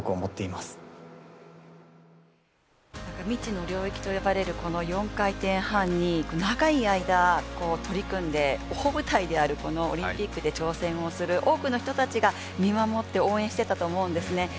未知の領域と呼ばれる４回転半に長い間取り組んで、大舞台であるこのオリンピックで挑戦をする多くの人たちが見守って応援してたと思うんですね